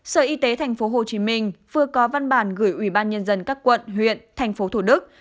sở y tế tp hcm vừa có văn bản gửi ủy ban nhân dân các quận huyện tp thổ đức